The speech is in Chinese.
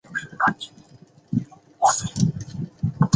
率领所部开赴俄国内战东线作战。